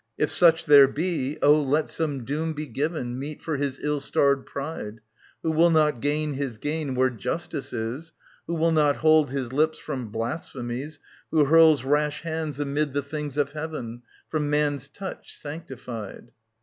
If such there be, oh, let some doom be given Meet for his ill starred pride. Who will not gain his gain where Justice is. Who will not hold his lips from blasphemies, Who hurls rash hands amid the things of heaven From man's touch sanctified.